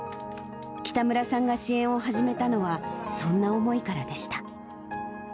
北村さんが支援を始めたのは、そんな思いからでした。